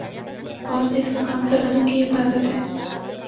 فوج جس کا کام سرحدوں کی حفاظت ہے